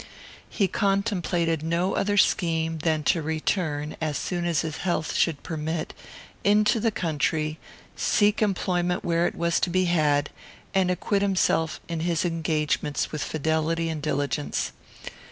He contemplated no other scheme than to return, as soon as his health should permit, into the country, seek employment where it was to be had, and acquit himself in his engagements with fidelity and diligence.